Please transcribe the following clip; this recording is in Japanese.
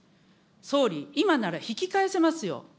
総理、今なら引き返せますよ。